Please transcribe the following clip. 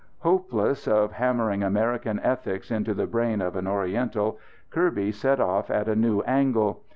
Hopeless of hammering American ethics into the brain of an Oriental, Kirby set off at a new angle.